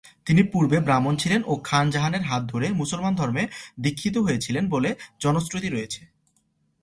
তিনি পূর্বে ব্রাহ্মণ ছিলেন ও খান জাহানের হাত ধরে মুসলমান ধর্মে দীক্ষিত হয়েছিলেন বলে জনশ্রুতি রয়েছে।